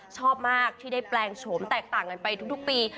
ชอบมากที่ได้แปลงโฉมแตกต่างกันไปทุกปี